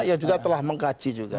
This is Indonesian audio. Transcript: yang juga telah mengkaji juga